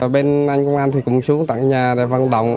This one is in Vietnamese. bên anh công an thì cũng xuống tặng nhà để vận động